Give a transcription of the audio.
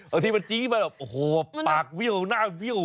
เอาที่มันจริงแบบโอ้โหปากเวี่ยวหน้าเวี่ยว